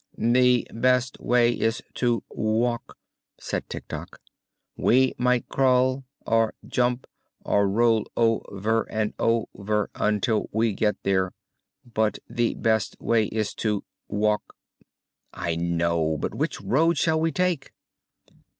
"The best way is to walk," said Tik Tok. "We might crawl, or jump, or roll o ver and o ver until we get there; but the best way is to walk." "I know; but which road shall we take?"